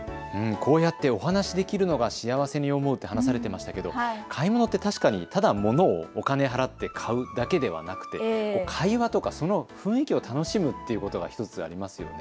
こうやってお話できるのが幸せに思うと話されてましたけど買い物って確かにものをただ買うだけではなくて、会話とか、その雰囲気を楽しむというのが１つありますよね。